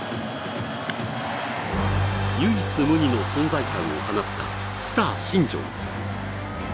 唯一無二の存在感を放ったスター新庄